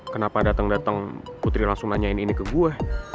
kenapa dateng dateng putri langsung nanyain ini ke gue